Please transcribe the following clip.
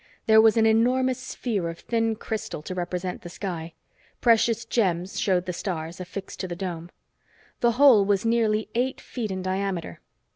There was an enormous sphere of thin crystal to represent the sky. Precious gems showed the stars, affixed to the dome. The whole was nearly eight feet in diameter.